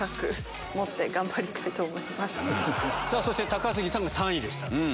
そして高杉さんが３位でした。